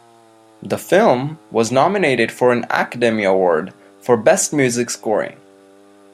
The film was nominated for an Academy Award for Best Music Scoring.